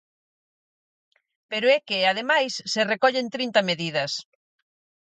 Pero é que, ademais, se recollen trinta medidas.